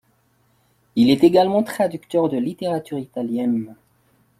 Il est également Traducteur de littérature italienne.